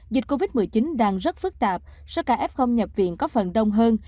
dịch covid một mươi chín đang rất phức tạp số ca f nhập viện có phần đông hơn